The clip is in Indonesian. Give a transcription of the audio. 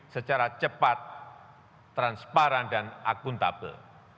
secara cepat transparan dan akuntabel